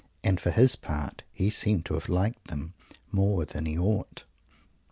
And for his part, he seems to have liked them more than he ought.